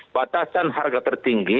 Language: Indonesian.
batasan harga tertinggi